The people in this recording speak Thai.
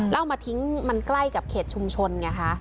แล้วเอามาทิ้งมันใกล้กับเขตชุมชนไงคะ